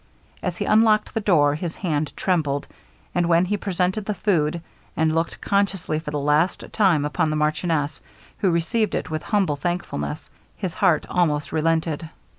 As he unlocked the door, his hand trembled; and when he presented the food, and looked consciously for the last time upon the marchioness, who received it with humble thankfulness, his heart almost relented.